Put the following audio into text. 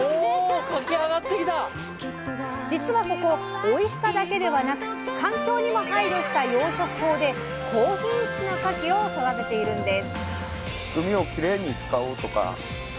実はここおいしさだけではなく環境にも配慮した養殖法で高品質のかきを育てているんです。